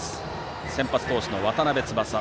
先発投手の渡邉翼。